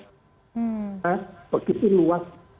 karena begitu luas